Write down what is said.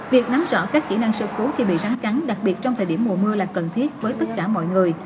việc nắm rõ các kỹ năng sơ cứu khi bị rắn cắn đặc biệt trong thời điểm mùa mưa là cần thiết với tất cả mọi người